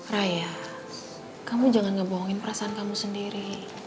raya kamu jangan ngebohongin perasaan kamu sendiri